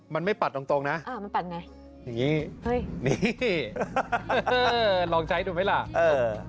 มันไม่ปัดตรงตรงนะอ่ามันปัดไงอย่างงี้เฮ้ยนี่เออลองใช้ดูไหมล่ะเออ